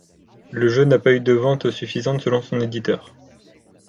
Le jeu n'a pas eu de ventes suffisantes selon son éditeur.